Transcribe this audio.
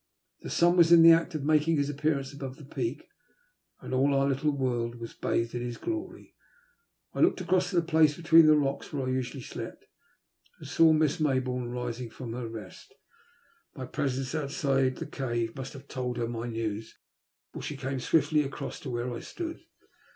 The sun was in the act of making his appearance above the peak, and all our little world was bathed in his glory. I looked across to the place between the rocks where I usually slept, and saw Miss Mayboume rising from her rest. My presence outside the cave must have told her my news, for she came swiftly across to where I stood.